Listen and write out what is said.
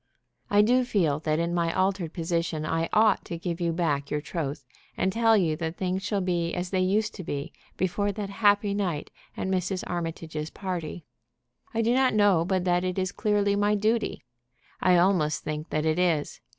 "I do feel that in my altered position I ought to give you back your troth, and tell you that things shall be as they used to be before that happy night at Mrs. Armitage's party. I do not know but that it is clearly my duty. I almost think that it is.